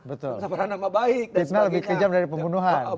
betul fitnah lebih kejam dari pembunuhan